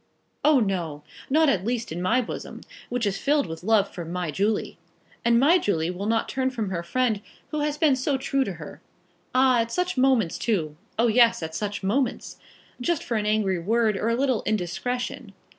Oh, no; not at least in my bosom, which is filled with love for my Julie. And my Julie will not turn from her friend, who has been so true to her, ah, at such moments too, oh, yes, at such moments! just for an angry word, or a little indiscretion.